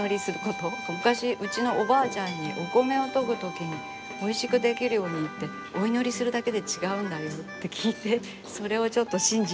昔うちのおばあちゃんに「お米をとぐときにおいしく出来るようにってお祈りするだけで違うんだよ」って聞いてそれをちょっと信じています。